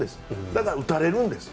だから、打たれるんです。